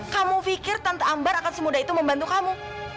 kamu pikir tante ambar akan semudah itu membantu kamu